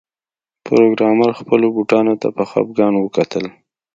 پروګرامر خپلو بوټانو ته په خفګان وکتل